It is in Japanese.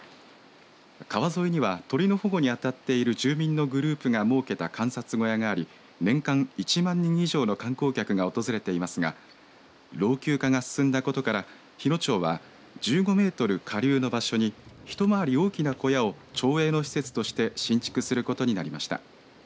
川沿いには鳥の保護に当たっている住民のグループが設けた観察小屋があり年間１万人以上の観光客が訪れていますが老朽化が進んだことから日野町は１５メートル下流の場所に一まわり大きな小屋を町営の施設として新築することになりました。